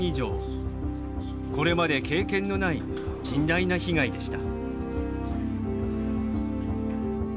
これまで経験のない甚大な被害でした。